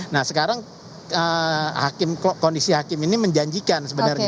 nah sekarang kondisi hakim ini menjanjikan sebenarnya